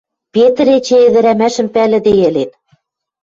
Петр эче ӹдӹрӓмӓшӹм пӓлӹде ӹлен.